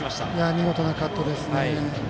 見事なカットですね。